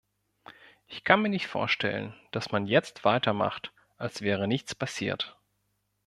Ich kann mir nicht vorstellen, dass man jetzt weitermacht, als wäre nichts passiert.